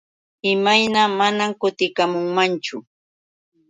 ¿Imayna mana kutikamunmanchu?